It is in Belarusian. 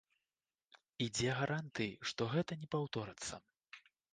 І дзе гарантыі, што гэта не паўторыцца?